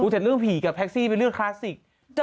แท็กซี่เป็นเรื่องคลาสสิก